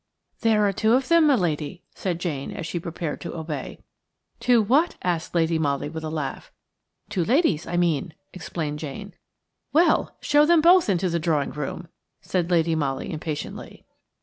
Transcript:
"There are two of them, my lady," said Jane, as she prepared to obey. "Two what?" asked Lady Molly with a laugh. "Two ladies, I mean," explained Jane. "Well! Show them both into the drawing room," said Lady Molly, impatiently.